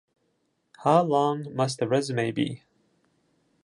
How long must the resume be?